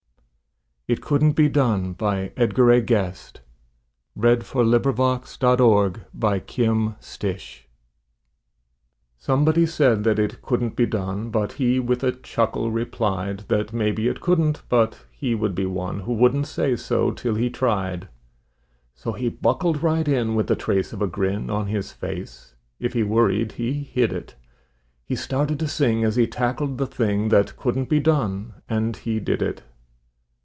paid with something fine My debt to God for life divine. 37 It Couldn't Be Done Somebody said that it couldn't be done, But he with a chuckle replied That "maybe it couldn't," but he would be one Who wouldn't say so till he'd tried. So he buckled right in with the trace of a grin On his face. If he worried he hid it. He started to sing as he tackled the thing That couldn't be done, and he did it.